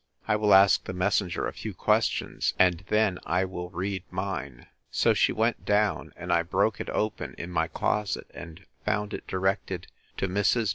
I will ask the messenger a few questions, and then I will read mine. So she went down, and I broke it open in my closet, and found it directed To MRS.